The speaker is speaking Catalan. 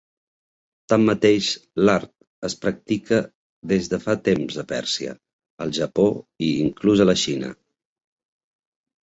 Tanmateix, l'art es practica des de fa temps a Pèrsia, al Japó i inclús a la Xina.